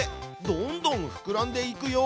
どんどんふくらんでいくよ！